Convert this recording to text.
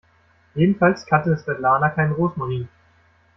Jedenfalls kannte Svetlana keinen Rosmarin.